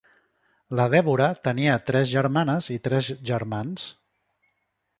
La Deborah tenia tres germanes i tres germans.